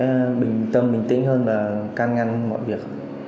em sẽ bình tâm bình tĩnh hơn và can ngăn mọi việc